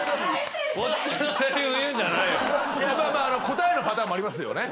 答えのパターンもありますよね。